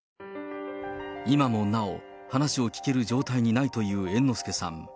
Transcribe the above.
今もなお、話を聞ける状態にないという猿之助さん。